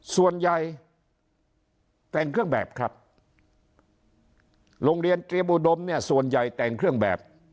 ส่วนใหญ่แต่งเครื่องแบบครับโรงเรียนเตรียมอุดมเนี่ยส่วนใหญ่แต่งเครื่องแบบ